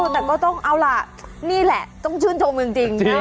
แต่ก็ต้องเอาล่ะนี่แหละต้องชื่นชมจริง